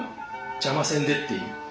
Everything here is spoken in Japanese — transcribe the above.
邪魔せんでっていう。